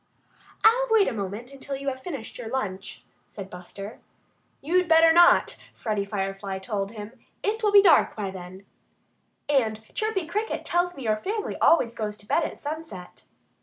"I'll wait a moment, until you have finished your lunch," said Buster. "You'd better not!" Freddie Firefly told him. "It will be dark by that time. And Chirpy Cricket tells me your family always goes to bed at sunset."